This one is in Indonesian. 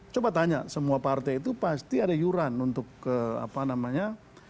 coba tanya semua partai itu pasti ada iuran untuk apa namanya